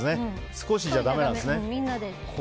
少しじゃだめなんですね。